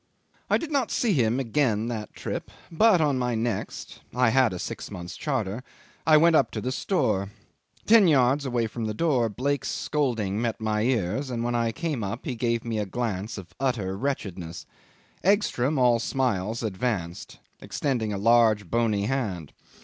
'I did not see him again that trip, but on my next (I had a six months' charter) I went up to the store. Ten yards away from the door Blake's scolding met my ears, and when I came in he gave me a glance of utter wretchedness; Egstrom, all smiles, advanced, extending a large bony hand.